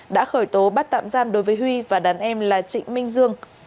đã khởi tố bắt tạm giam đối với huy và đàn em là trịnh minh dương